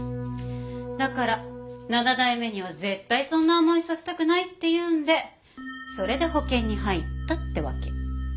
だから７代目には絶対そんな思いさせたくないっていうんでそれで保険に入ったってわけ。